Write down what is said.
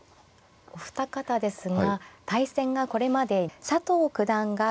お二方ですが対戦がこれまで佐藤九段が１６勝。